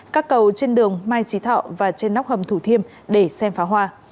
các cầu trên đường mai trí thọ và trên nóc hầm thủ thiêm để xem phá hoa